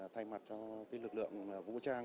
thay mặt cho lực lượng vũ trang